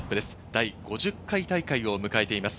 第５０回大会を迎えています。